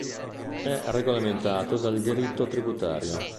È regolamentato dal diritto tributario.